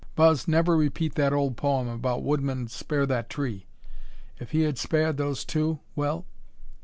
Buzz, never repeat that old poem about 'Woodman, spare that tree!' If he had spared those two well!